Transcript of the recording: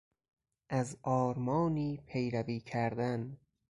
از آرمانی پیروی کردن